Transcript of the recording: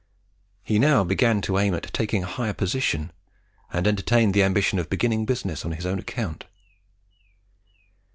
He now began to aim at taking a higher position, and entertained the ambition of beginning business on his own account.